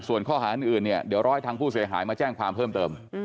ส่วนข้อหาอื่นเนี่ยเดี๋ยวรอให้ทางผู้เสียหายมาแจ้งความเพิ่มเติม